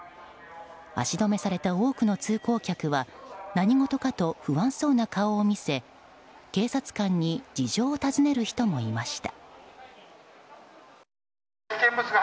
足止めされた多くの通行客は何事かと不安そうな顔を見せ警察官に事情を尋ねる人もいました。